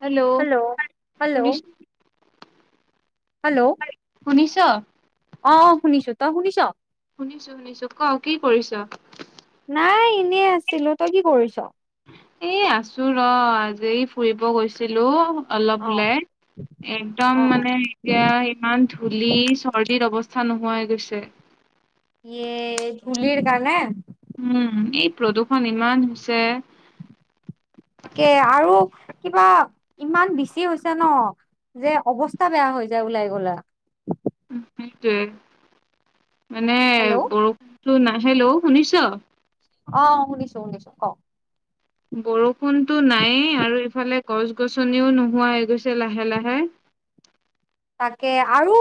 Hello, hello শুনিছোঁ। Hello? শুনিছ? অ' অ' শুনিছোঁ। তই শুনিছ? শুনিছোঁ - শুনিছোঁ। ক', কি কৰিছ? নাই, এনে আছিলোঁ। তই কি কৰিছ? এ আছোঁ ৰ'। আজি ফুৰিব গৈছিলোঁ। অ অলপ ওলাই। একদম অ অ মানে এতিয়া, ইমান ধূলি চৰ্দিত অৱস্থা নোহোৱা হৈ গৈছে। ইয়ে, ধূলিৰ কাৰণে। উম' এই প্ৰদূষণ ইমান হৈছে। তাকে আৰু কিবা ইমান বেছি হৈছে ন? যে অৱস্থা বেয়া হৈ যায় ওলাই গ'লে। সেইটোৱে মানে হেল্ল' বৰষুণটো নাহিলেও শুনিছ? অ' শুনিছোঁ শুনিছোঁ ক? বৰষুণটো নাইয়ে আৰু ইফালে গছ -গছনিও নোহোৱা হৈ গৈছে লাহে লাহে। তাকে আৰু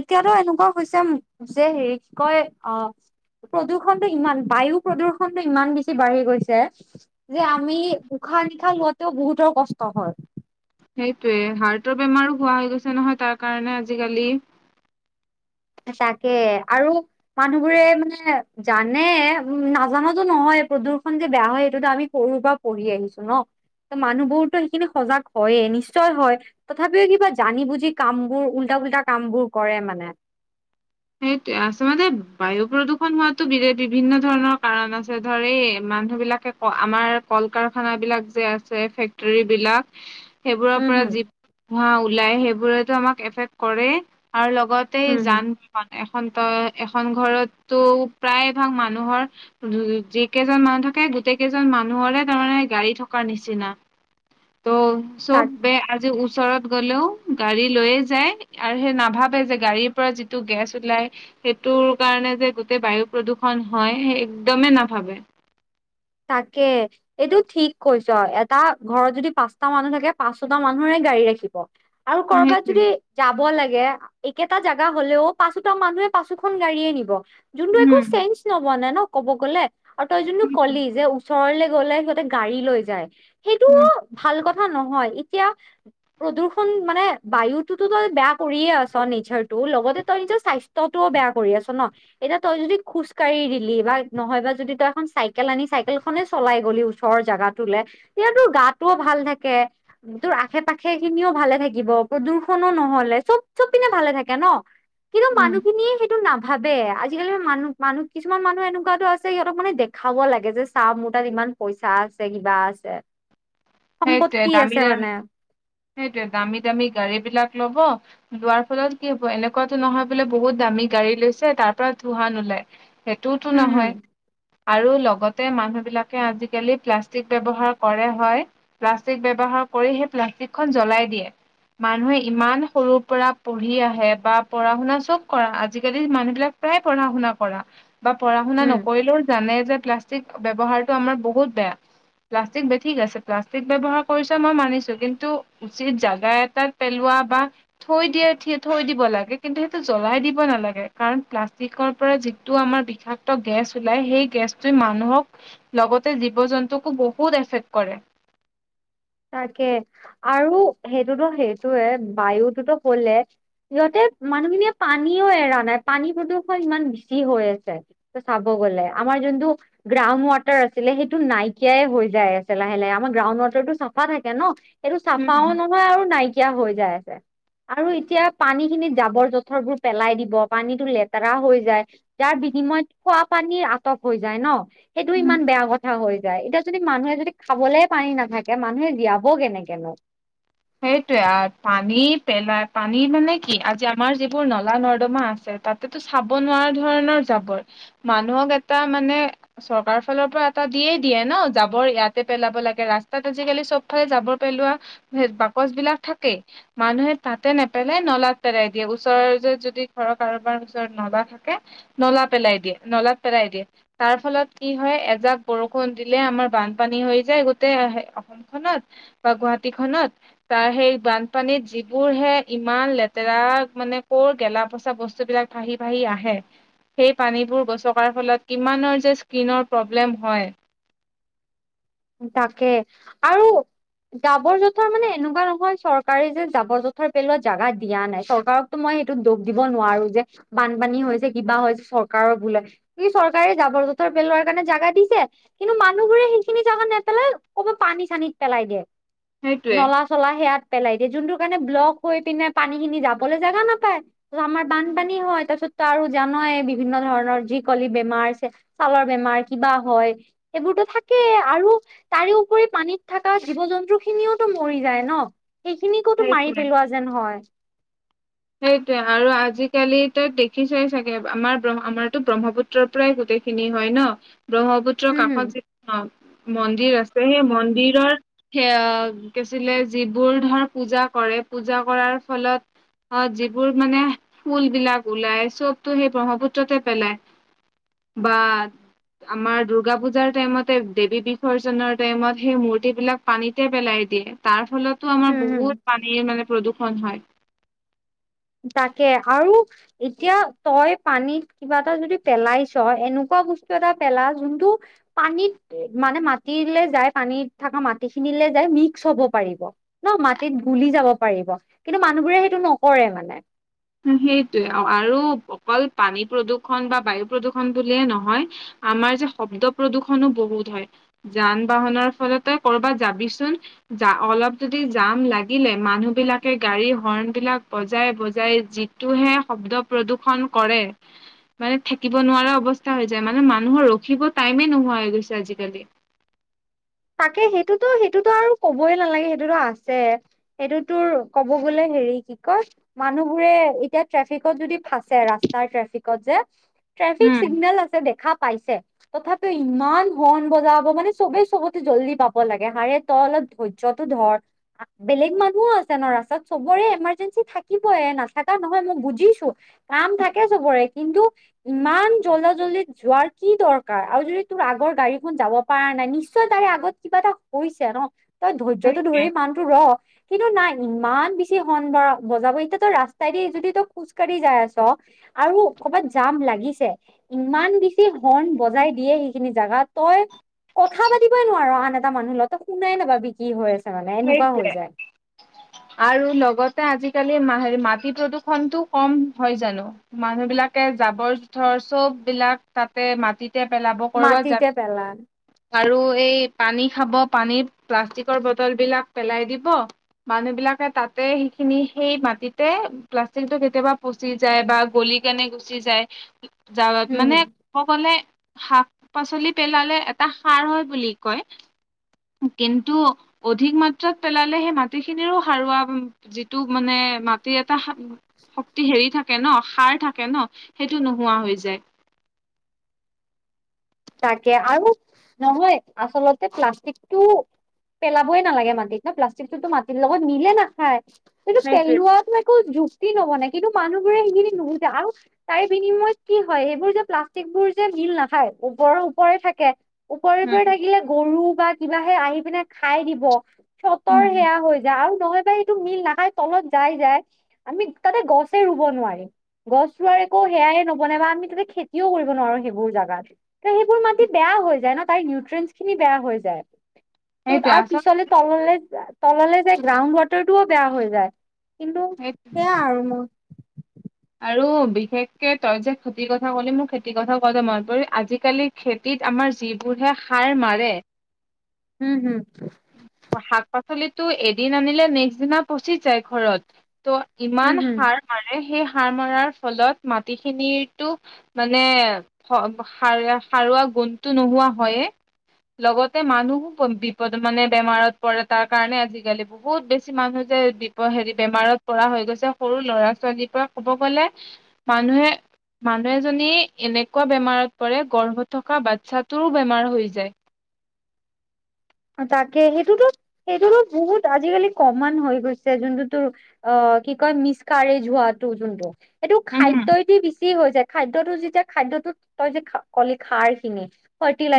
এতিয়াটো এনেকুৱা হৈছে যে হেৰিত কৈ অহ। প্ৰদূষণ টো ইমান বায়ু প্ৰদূষণ টো ইমান বেছি বাঢ়ি গৈছে। যে আমি উশাহ -নিশাহ লোৱাতেও বহুতৰ কষ্ট হয়। সেইটোয়ে হাৰ্টৰ বেমাৰো হোৱা হৈ গৈছে নহয়। তাৰ কাৰণে আজিকালি। হে তাকে আৰু। মানুহবোৰে মানে, জানে উম নাজানাটো নহয় প্ৰদূষণ যে বেয়া হয়। সেইটোতো আমি সৰুৰ পৰা। পঢ়ি আহিছোঁ ন মানুহ বোৰটো সেইখিনি সজাগ হয়‌ য়ে নিশ্চয় হয়। তথাপিও কিবা জানি বুজি কাম বোৰ উল্টা পুল্টা কামবোৰ কৰে মানে। সেইটোৱে আচলতে, বায়ু প্ৰদূষণ হোৱাতো বি বিভিন্ন ধৰণৰ কাৰণ আছে। ধৰ এই মানুহ বিলাকে। অ' আমাৰ কল- কাৰখানা বিলাক যে আছে ফেক্টৰী বিলাক। [unintelligible] সেইবোৰৰ পৰা হম যি, ধোৱা ওলাই সেইবোৰেটো আমাক এফেক্ট কৰে আৰু লগত। গোটেই হম হম যান- বাহন এখন তই এখন ঘৰতটো প্ৰায় ভাগ মানুহৰ। উদ্যগিক' যি কেইজন মানুহ থাকে। গোটেই কেইজন মানুহৰে তাৰমানে গাড়ী থকাৰ নিচিনা। ত তাক চববে। আজি ওচৰত গ'লেও, গাড়ী লৈয়ে যায় আৰু সেই নাভাৱে যে গাড়ীৰ পৰা যি। টো গেছ ওলাই। সেইটোৰ কাৰণে যে গোটেই বায়ু প্ৰদূষন হয়। এ একদমেই নাভাৱে। তাকে। এইটো ঠিক কৈছ এটা ঘৰত যদি পাঁচটা মানুহ থাকে পাঁচটা ছয়টো মানুহৰে গাড়ী ৰাখিব। আৰু অ, কৰবাত সেইটোৱে যদি। যাব লাগে একেটা জগা হলেও পাঁচোটা মানুহে পাঁচোখন গাড়ীয়েই নিব। যোনটো একো উম চেঞ্চ নবনাই ন ক'ব গলে আৰু তই যোনটো সেইটোৱে কলি যে। ওচৰলে গলে সিহঁতে গাড়ী লৈ যায় সেইটো উম ভাল কথা নহয় এতিয়া। প্ৰদূষণ মানে বায়ুটোতো তই বেয়া কৰিয়ে আছ নেচাৰটো লগতে তই নিজৰ স্বাস্থ্যৰ। তইতোও বেয়া কৰি আছ ন এতিয়া তই যদি খোজকাঢ়ি দিলি বা নহয় বা যদি তই এখন চাই চাইকেল আনি চাইকেল খনে চলাই গলি ওচৰৰ জোগাটোলে তেতিয়াতো গাতটোও ভাল থাকে। তোৰ আশে পাশে খিনিও ভালে থাকিব প্ৰদূষনো নহলে চব চব পিনে ভালে থাকে ন। [unintelligible] কিন্তু উম মানুহখিনিয়ে সেইটো নাভাৱে আজিকালি মানুহ মানুহ কিছুমান মানুহ এনেকুৱাতো আছে সিহঁতক মানে দে খাব লাগে যে চা‌ মোৰ তাত ইমান পইচা আছে কিবা আছে। সম্পত্তি আছে মানে। সেইটোয়ে দামী দামী গাড়ী বিলাক লব। যোৱাৰ ফলত কি হ'ব এনেকুৱাতো নহয় বোলে বহুত দামী গাড়ী লৈছে তাৰ পৰা ধোঁৱা নোলাই। সেইটো তো হম হম নহয়। আৰু লগতে মানুহ বিলাকে আজিকালি প্লাষ্টিক ব্যৱহাৰ কৰে হয়। প্লাষ্টিক ব্যৱহাৰ কৰি সেই প্লাষ্টিকখন জ্বলাই দিয়ে। মানুহে ইমান সৰুৰ পৰা পঢ়ি আহে বা পঢ়া শুনা চব কৰা। আজিকালি মানুহ বিলাক প্ৰায় পঢ়া শুনা কৰা। বা পঢ়া শুনা উম নকৰিলেও জানে যে প্লাষ্টিক চিট ব্যৱহাৰটো আমাৰ বহুত বেয়া প্লাষ্টিক বেকি গেছে প্লাষ্টিক ব্যৱহাৰ কৰিছা মই মানিছোঁ কিন্তু উচিত জাগা এটাত পেলোৱা বা থৈ দিয়ে থি থৈ দিব লাগে। কিন্তু সেইটো জ্বলাই দিব নালাগে কাৰণ প্লাষ্টিকৰ পৰা যি টো আমাৰ বিষাক্ত গেছ ওলাই সেই গেছটোই মানুহক লগতে জীৱ জন্তুকো বহুত এফেক্ট কৰে। তাকে আৰু সেইটোতো সেইটোৱে বায়ুটোতো হলে সিহতে মানুহখিনিয়ে পানীও এৰা নাই পানী প্ৰদূষণ ইমান বেছি হৈ আছে। চাব গ'লে আমাৰ যোনটো গ্ৰাউণ্ড ৱাটাৰ আছিলে সেইটো নাইকিয়াই হৈ যায়। আছে লাহে লাহে আমাৰ গ্ৰাউড ৱাটাৰটো চাফা থাকে নো এইটো চাফাও উম নহয় আৰু নাইকিয়া হৈ যাই আছে। আৰু এতিয়া পানী খিনিত জাবৰ জোথৰবোৰ পেলাই দিব। পানীটো লেতেৰা হৈ যায়। যাৰ বিনিময়ত খোৱা পানী আটক হৈ যায় ন। সেইটো উম ইমান বেয়া কথা হৈ যায়। এতিয়া যদি মানুহে যদি খাবলৈ পানী নাথাকে মানুহ দিয়াবো কেনেকেনো সেইটোৱে পানী পেলাই পানী মানে কি আজি আমাৰ যিবোৰ নলা নৰ্দমা আছে তাত সেইটো চাব নোৱাৰা ধৰণৰ জাবৰ মানুহক এটা মানে চৰকাৰৰ ফালৰ পৰা এটা দিয়েই দিয়ে ন যাবৰ ইয়াতে পেলাব লাগে। ৰাস্তাত আজিকালি চব ইফালে যাবৰ পেলোৱা বাকচ বিলাক থাকেই মানুহে তাতে নেপেলাই নলাত পেলাই দিয়ে। ওচৰ য যদি ঘৰৰ কাৰোবাৰ ওচৰত নলা থাকে। নলা পেলাই দিয়ে নলাত পেলাই দিয়ে। তাৰ ফলত কি হয় এজাক বৰষুণ দিলে আমাৰ বানপানী হৈ যায়। গোটেই খনত বা গুৱাহাটী খনতত তাৰ সেই বানপানীত যিবোৰ হে। ইমান লেতেৰা মানে কৰ গেলা পচা বস্ত বিলাক ভাহি ভাহি আহে। সেই পানীবোৰ গচকাৰ ফলত কিমানৰ যে স্কীনৰ প্ৰব্লেম হয়। তাকে আৰু জাবৰ-জোঁথৰ মানে এনেকুৱা নহয়। চৰকাৰে যে জাবৰ-জোঁথৰ পেলোৱা জেগা দিয়া নাই। চৰকাৰক ত মই সেইটোত দোষ দিব নোৱাৰো যে বানপানী হৈছে কিবা হৈছে। চৰকাৰৰ ভুলে যি চৰকাৰে যাবৰ জোথৰ পেলোৱাৰ কাৰণে জাগা দিছে কিন্তু মানুহবোৰে সেইখিনি জাগাত নেপেলাই ক'বা পানী চানীত পেলাই দিয়ে। সেইটোৱে নলা চলা সেয়াত পেলাই দিয়ে যোনটো কাৰণে ব্লক হৈ পিনে পানী খিনি যাবলৈ জোগা নাপায়। ত আমাৰ বানপানী হয় তাৰ পিছতো আৰু জানয়েই বিভিন্ন ধৰণৰ যি কলি বেমাৰ আছে। ছালৰ বেমাৰ কিবা হয়। এইবোৰতো থাকেই আৰু তাৰে উপৰি পানীত থকা জীৱ জন্তু খিনিওতো মৰি যায়। ন সেইখিনিকোতো মাৰি সেইটোৱে পেলোৱা যেন হয়। সেইটৱে আৰু আজিকালি ত দেখিছই চাগে আমাৰ আমাৰতো ব্ৰহ্মপুত্ৰ পুত্ৰৰ পৰাই গোটেইখিনি হয় ন। ব্ৰহ্মপুত্ৰৰ হম হম কাষত যি অ মন্দিৰ আছে সেই মন্দিৰৰ সেয়া গেছিলে যিবোৰ ধৰ পূজা কৰে। পূজা কৰাৰ ফলত অ যিবোৰ মানে ফুল বিলাক ওলাই চবতো সেই ব্ৰহ্মপুত্ৰতে পেলায়। বাট- আমাৰ দূৰ্গা পুজাৰ টাইমতে দেৱী বিসৰ্জনৰ টাইমত সেই মূৰ্তি বিলাক পানীতে পেলাই দিয়ে। তাৰ ফলতো, আমাৰ হম হম বহুত! পানীৰ মানে, প্ৰদূষণ হয়। তাকে! আৰু এতিয়া তই পানীত কিবা এটা যদি পেলাইছ, এনেকুৱা বস্তু এটা পেলা, যোনটো পানীত মানে, মাটিলে যায়, পানীত থকা মাটিখিনিলে যায়, মিক্স হ'ব পাৰিব। ন' মাটিত গুলি যাব পাৰিব। কিন্তু, মানুহবোৰে সেইটো নকৰে মানে। অ' সেইটোৱে! আৰু অকল পানী প্ৰদূৰ্ষণ বা বায়ু প্ৰদূষণ বুলিয়ে নহয়, আমাৰ যে, শব্দ প্ৰদূৰ্ষণো বহুত হয়। যান-বাহনৰ ফলতেই, কৰ'বাত যাবিচোন? যা অলপ যদি যাম লাগিলে, মানুহ বিলাকে গাড়ী হৰ্ণ বিলাক বজাই-বজাই যিটোহে শব্দ প্ৰদূষণ কৰে! মানে, থাকিব নোৱাৰা অৱস্থা হৈ যায়। মানে, মানুহৰ ৰখিব টাইমে নোহোৱা হৈ গৈছে, আজি কালি। তাকে! সেইটোতো, সেইটোতো আৰু ক'বই নালাগে! সেইটোতো আছে। এইটো, তোৰ ক'ব গ'লে, সেৰি কি কয়! মানুহবোৰে, এতিয়া ট্ৰেফিকত যদি ফাচে, ৰাস্তাৰ ট্ৰেফিকত যে, ট্ৰেফিক উম চিগনেল আছে, দেখা পাইছে! তথাপিও ইমান হৰ্ণ বজাব মানে! চবে চব জলদি পাব লাগে। আৰে, তই অলপ ধৈৰ্য্যটো ধৰ! বেলেগ মানুহো আছে ন' ৰাস্তাত। চবৰে, এমাৰ্জেঞ্চি থাকিবয়ে, নাথাকা নহয়, মই বুজিছোঁ! কাম থাকে, চবৰে। কিন্তু, ইমান জলদা-জলদিত যোৱাৰ কি দৰকাৰ? আৰু যদি তোৰ, আগৰ গাড়ীখন যাব পাৰা নাই। নি নিশ্চয়! তাৰে আগত কিবা এটা হৈছে ন'? তই ধৈৰ্য্যটো সেইটোৱে ধৰি মানুহটো ৰ'। কিন্তু, নাই। ইমান বেছি হৰ্ণ ব বজাব! এতিয়া তই, ৰাস্তাই দি যদি, তই খোজ কাঢ়ি যাই আছ। আৰু ক'ৰবাত যাম লাগিছে। ইমান বেছি হৰ্ণ বজাই দিয়ে, সেইখিনি জোগাত! তই কথা পাতিবই নোৱাৰ আন এটা মানুহ লগত। তই শুনাই নাপাবি, কি হৈ আছে মানে, এনেকুৱা সেইটোৱে হৈ যায়। আৰু লগতে, আজিকালি মা মাটি প্ৰদূৰ্ষণটো কম! হয় জানোঁ? মানুহ বিলাকে জাবৰ-জোঁথৰ চব বিলাক, তাতে মাটিত কেতিয়া, পেলাব ক'ৰবাত মাটিতে পেলা আৰু এই পানী খাব, পানীত প্লাষ্টিকৰ বটল বিলাক পেলাই দিব। মানুহ বিলাকে তাতে, সেইখিনি সেই মাটিতে, প্লাষ্টিকটো কেতিয়াবা প চি গুচি যায় বা গলি কেনে গুচি যায়। [inaudible] [unintelligible] উম মানে, সকলে, শাক-পাচলি পেলালে, এটা সাৰ হয় বুলি কয়। কিন্তু, অধিক মাত্ৰাত পেলালে, সেই মাটিখিনিৰো সাৰুৱা, যিটো মানে, মা কি এটা শক্তি সেৰি থাকে ন', সাৰ থাকে ন'! সেইটো নোহোৱা হৈ যায়। তাকে! আৰু নহয়, আচলতে প্লাষ্টিকটো পেলাবই নালাগে মাটিত। ন' প্লাষ্টিকটোতো মাটিৰ লগত মিলে নাখায়। সেইটো, সেইটোৱে পেলোৱাতো একো যুক্তি নবনে। কিন্তু, মানুহবোৰে সেইখিনি নুবুজে আৰু তাৰে, বিনিময়ত কি হয়! এইবোৰ যে, প্লাষ্টিক বোৰ যে মিল নাখায়। ওপৰৰ ওপৰে থাকে, ওপৰে-ওপৰে উম থাকিলে, গৰু বা কিবাহে আহি পিনে খাই দিব, ফ্লতৰ উম, সেয়া হৈ যায়। আৰু নহয় বা টো মিল নাখাই, তলত যাই-যাই। আমি, তাতে গছে ৰোব নোৱাৰিম। গছ ৰোৱাৰ একো সেয়াই নবনে বা আমি তাতে, খেতিও কৰিব নোৱাৰোঁ, সেইবোৰ জাগাত। ত' সেইবোৰ মাটিত বেয়া হৈ যায় ন! তাৰ নিউট্ৰেনচ খিনি বেয়া হৈ যায়। ত' সেইটোৱে তাৰ আচলতে পিছলে তললে, তললে যায় গ্ৰাউণ্ড ৱাটাৰটোও বেয়া হৈ যায়। কিন্তু সেইটোৱে সেয়া আৰু মোৰ। আৰু বিশেষকে তই যে খেতিৰ কথা কলি মোৰ খেতিৰ কথা কোৱাতে মন পৰিল আজিকালি খেতিত আমাৰ যিবোৰহে খাৰ মাৰে হুম হুম। অ' শাক-পাচলিটো এদিন আনিলে নেক্সট দিনা পচি যায় ঘৰত। ত' হম ইমান হম। সাৰ মাৰে সেই সাৰ মৰাৰ ফলত মাটিখিনিটো মানে স-সাৰ-সাৰুৱা গুণটো নোহোৱা হ‌ইয়ে লগতে মানুহো বি-বিপদ মানে বেমাৰত পৰে তাৰ কাৰণে আজি-কালি বহুত বেছি মানুহ যে দি- ত' হেৰি বেমাৰত পৰা হৈ গৈছে সৰু ল'ৰা-ছোৱালীৰ পৰা ক'ব গলে- মানুহে মানুহ এজনী এনেকুৱা বেমাৰত পৰে গৰ্ভত থকা বাচ্ছাটোৰো বেমাৰ হৈ যায়। তাকে, সেইটোতো সেইটোতো বহুত আজি-কালি কমন হৈ গৈছে যোনটো তোৰ অ' কি কয় মিছ কাৰেজ যোৱাটো যোনটো। এইটো উম হুম, খাদ্যই'দি বেছি হৈ যায়, খাদ্যটো যেতিয়া খাদ্যটো তই যে কলি খাৰ খিনি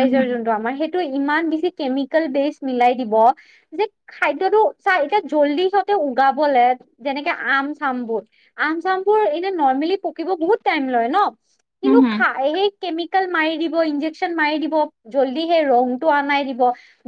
উম হুম, যোনটো আমাৰ সেইটোৱে ইমান বেছি কেমিকেল বেছ মিলাই দিব যে খাদ্যটো, চা- এতিয়া জল্দিচতে উগাবলে যেনেকে আম-চাম বোৰ আম-চামবোৰ এনে নৰ্মেলি পকিব বহুত টাইম লয় ন, উম কিন্তু হুম। খা সেই কেমিকেল মাৰি দিব, ইন্জেকচন মাৰি দিব, জল্দি সেই ৰংটো আনাই দিব।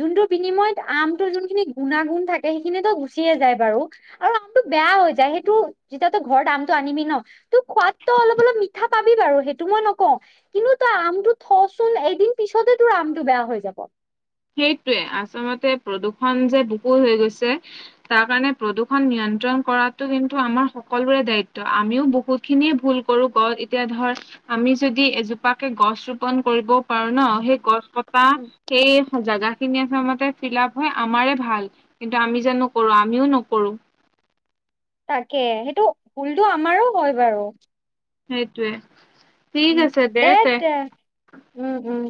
যোনটোৰ বিনিময়ত আমটোৰ যোনখিনি গুণাগুণ থাকে সেইখিনিতো গুচিয়ে যায় বাৰু। আৰু আমটো বেয়া হৈ যায় সেইটো যেতিয়া তই ঘৰত আমটো আনিবি ন' ত' খোৱাতটো অলপ-অলপ মিঠা পাবি বাৰু, সেইটো মই নকওঁ কিন্তু তই আমটো থ'চোন একদিন পিছতে তোৰ আমটো বেয়া হৈ যাব। সেইটোৱে, আচলতে প্ৰদূষণ যে বহু হৈ গৈছে তাৰ কাৰণে প্ৰদূষণ নিয়ন্ত্ৰণ কৰাটো কিন্তু আমাৰ সকলোৰে দায়িত্ব, আমিও বহুত- খিনি ভুল কৰো গ' এতিয়া ধৰ আমি যদি এজোপাকে গছ ৰোপন কৰিব‌ও পাৰো ন, সেই গছ কটা উম, সেই জাগা খিনি আছ মতে ফিলাপ হয় আমাৰে ভাল, কিন্তু আমি যে নকৰো, আমিও নকৰো। তাকে, সেইটো পুলটো আমাৰো হয় বাৰু। সেইটোৱে। উম্ ধেৎতে, উম, উম।